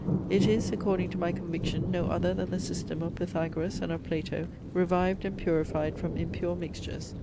It is, according to my conviction, no other than the system of Pythagoras and of Plato revived and purified from impure mixtures.